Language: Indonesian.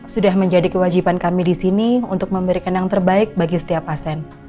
sudah menjadi kewajiban kami di sini untuk memberikan yang terbaik bagi setiap pasien